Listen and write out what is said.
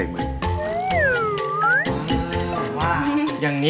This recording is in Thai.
เอออืม